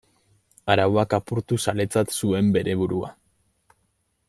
Arauak apurtu zaletzat zuen bere burua.